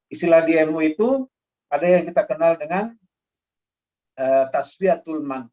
istilah dmo itu ada yang kita kenal dengan tasfiyatullah